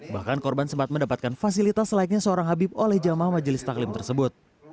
bahkan korban sempat mendapatkan fasilitas layaknya seorang habib oleh jamaah majelis taklim tersebut